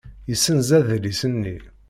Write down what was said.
Yessenz adlis-nni.